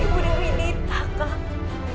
ibu dari dita kak